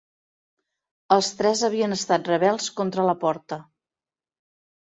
Els tres havien estat rebels contra la Porta.